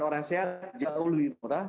orang sehat jauh lebih murah